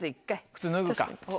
靴脱ぐか。